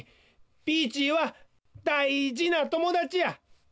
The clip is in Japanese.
ピーチーはだいじなともだちや。